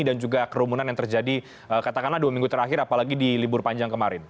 dan juga kerumunan yang terjadi katakanlah dua minggu terakhir apalagi di libur panjang kemarin